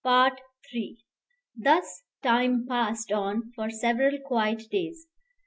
Thus time passed on for several quiet days.